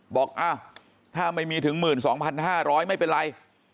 บอกถ้าไม่มีถึง๑๒๕๐๐ไม่เป็นไร